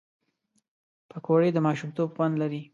پکورې د ماشومتوب خوند لري